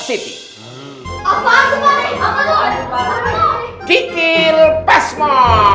city apaan kemarin kikil pasmo